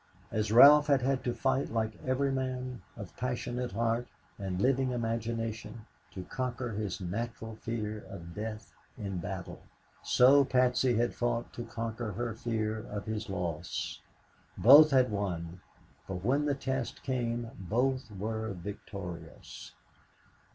As Ralph had had to fight like every man of passionate heart and living imagination to conquer his natural fear of death in battle, so Patsy had fought to conquer her fear of his loss. Both had won, for when the test came both were victorious.